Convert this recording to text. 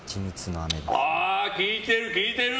ああ、効いてる！